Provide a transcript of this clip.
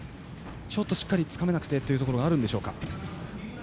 しっかりつかめなくてというところがあるんでしょうか。